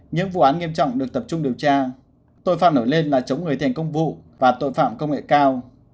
những vụ án nghiêm trọng được tập trung điều tra tội phạm nổi lên là chống người thiền công vụ và tội phạm công nghệ cao